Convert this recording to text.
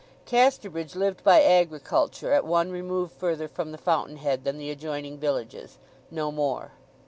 Casterbridge lived by agriculture at one remove further from the fountainhead than the adjoining villages—no more.